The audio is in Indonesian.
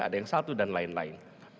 ada yang satu dan lain lain